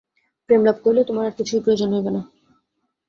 প্রেম লাভ করিলে তোমার আর কিছুরই প্রয়োজন হইবে না।